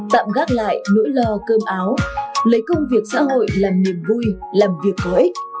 tạm gác lại nỗi lo cơm áo lấy công việc xã hội làm niềm vui làm việc có ích